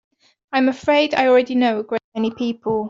I'm afraid I already know a great many people.